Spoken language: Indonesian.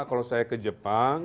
kalau saya ke jepang